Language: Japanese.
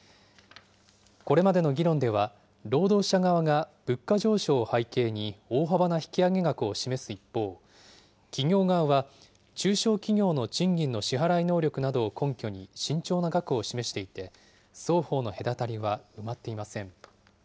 これまでの議論では、労働者側が物価上昇を背景に、大幅な引き上げ額を示す一方、企業側は中小企業の賃金の支払い能力などを根拠に慎重な額を示していて、双方の隔たりは埋まっていません。